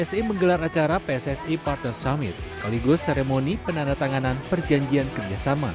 psi menggelar acara pssi partner summit sekaligus seremoni penandatanganan perjanjian kerjasama